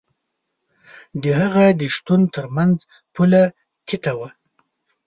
د هغه د شتون تر منځ پوله تته وي.